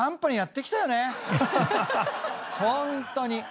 ホントに！